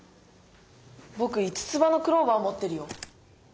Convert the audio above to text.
ぼく五つ葉のクローバーもってるよ。